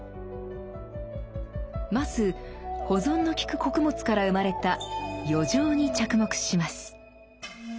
まず保存の利く穀物から生まれた「余剰」に着目します。